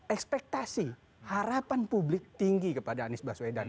ekspektasi harapan publik tinggi kepada anies baswedan